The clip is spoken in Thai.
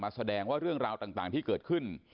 แสดงว่าเรื่องราวต่างที่เกิดขึ้น